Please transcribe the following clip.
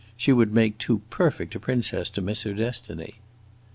She would make too perfect a princess to miss her destiny."